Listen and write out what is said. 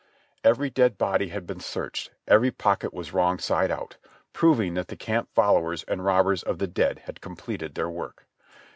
Every dead body had been searched, every pocket was wrong side out, proving that the camp followers and robbers of the dead had completed their work.